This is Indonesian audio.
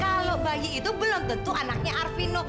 kalau bayi itu belum tentu anaknya arvino